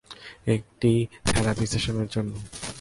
একটি থেরাপি সেশনের জন্য।